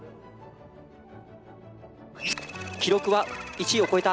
記録は１位を超えた。